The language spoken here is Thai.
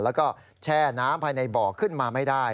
แล้วก็แช่น้ำภายในบ่อขึ้นมาไม่ได้